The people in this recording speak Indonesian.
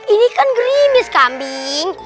ini kan grimis kambing